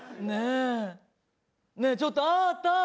ねえちょっとあーた！